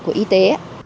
của y tế